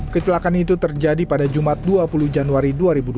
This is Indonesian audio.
kecelakaan itu terjadi pada jumat dua puluh januari dua ribu dua puluh